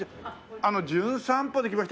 あの『じゅん散歩』で来ました